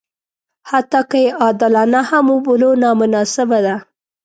حتی که یې عادلانه هم وبولو نامناسبه ده.